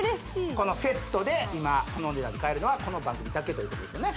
このセットで今このお値段で買えるのはこの番組だけということですよね